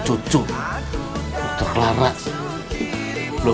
nenek juga sayang sama nenek